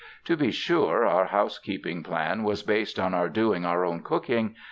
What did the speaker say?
To be sure, our housekeeping plan was based on our doing our own cooking.